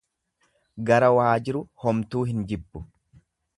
Gara waajiru homtuu hin jibbu.